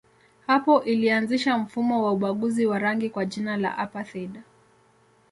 Hapo ilianzisha mfumo wa ubaguzi wa rangi kwa jina la apartheid.